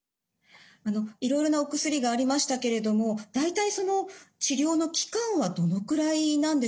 あのいろいろなお薬がありましたけれども大体その治療の期間はどのくらいなんでしょうか？